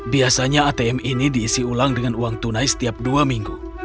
biasanya atm ini diisi ulang dengan uang tunai setiap dua minggu